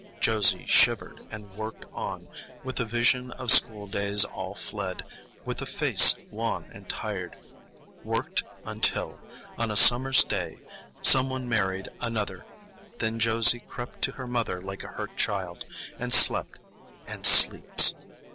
Josie shivered and worked on, with the vision of schooldays all fled, with a face wan and tired,—worked until, on a summer's day, some one married another; then Josie crept to her mother like a hurt child, and slept—and sleeps.